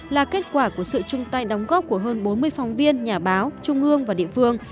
là kết quả của sự chung tay đóng góp của hơn bốn mươi phóng viên nhà báo trung ương và địa phương